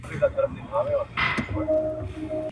په ښو کارونو امر کول د ايمان ښکلی صفت دی.